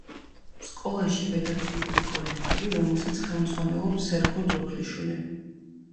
სკოლაში პედაგოგიური კოლექტივი, რომელსაც ხელმძღვანელობს სერგო დურგლიშვილი.